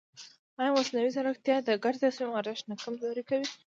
ایا مصنوعي ځیرکتیا د ګډ تصمیم ارزښت نه کمزوری کوي؟